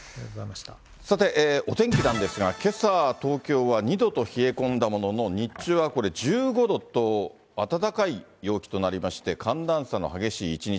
お天気なんですが、けさ、東京は２度と冷え込んだものの、日中はこれ、１５度と暖かい陽気となりまして、寒暖差の激しい一日。